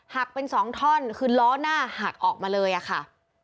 หักเป็นสองท่อนคือล้อหน้าหักออกมาเลยอะค่ะ